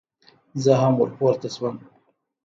زه هم ور پورته شوم.